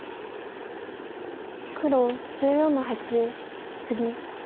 黒１４の八ツギ。